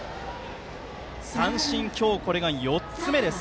三振、今日これが４つ目です。